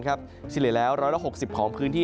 เช่นการโอกาสการเกิดฝนฟ้าขนองที่เหลือแล้ว๑๖๐ของพื้นที่